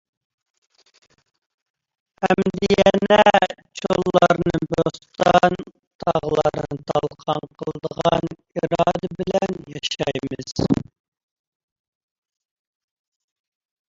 ئەمدى يەنە چۆللەرنى بوستان، تاغلارنى تالقان قىلىدىغان ئىرادە بىلەن ياشايمىز.